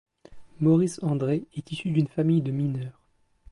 Maurice André est issu d'une famille de mineurs.